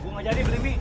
gue gak jadi beli mie